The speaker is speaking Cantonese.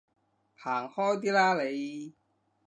行開啲啦你